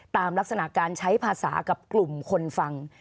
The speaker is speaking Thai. ตามลักษณะการใช้ภาษากับกลุ่มคนฟัง